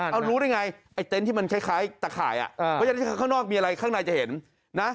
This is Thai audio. เอารู้ได้ไงเต็นต์ที่มันคล้ายตะขายข้างนอกมีอะไรข้างในจะเห็น